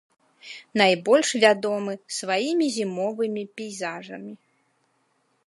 Найбольш вядомы сваімі зімовымі пейзажамі.